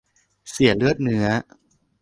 เสียเลือดเนื้อ